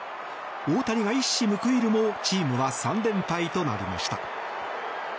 大谷が一矢報いるもチームは３連敗となりました。